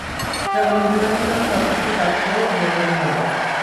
যেমন ভেবেছিলাম সবকিছু তারচেয়েও ভালোভাবে হলো।